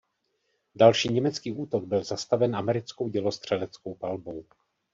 Další německý útok byl zastaven americkou dělostřeleckou palbou.